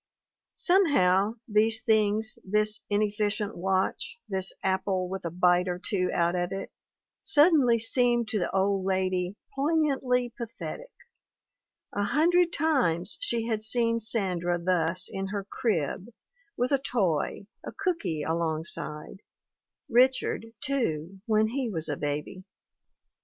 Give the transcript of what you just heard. Somehow these things, this inefficient watch, this apple with a bite or two out of it, sud denly seemed to the old lady poignantly pathetic; a hundred times she had seen Sandra thus in her crib, with a toy, a cooky alongside; Richard, too, when he was a baby.